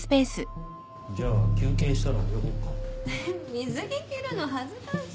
水着着るの恥ずかしい。